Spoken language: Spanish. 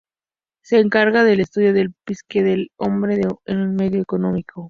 Se encarga del estudio de la psique del hombre en un medio económico.